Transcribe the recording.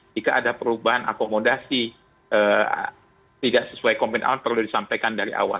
jika ada perubahan akomodasi tidak sesuai komitmen awal perlu disampaikan dari awal